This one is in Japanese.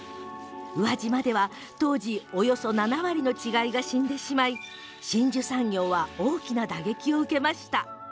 宇和島では当時およそ７割の稚貝が死んでしまい真珠産業は大きな打撃を受けました。